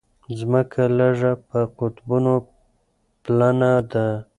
ځمکه لږه په قطبونو پلنه ده.